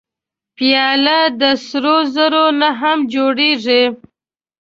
پیاله د سرو زرو نه هم جوړېږي.